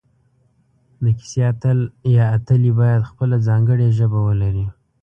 د کیسې اتل یا اتلې باید خپله ځانګړي ژبه ولري